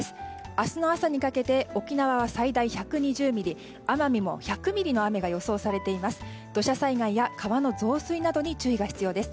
明日の朝にかけて沖縄は最大１２０ミリ奄美も１００ミリの雨が予想されています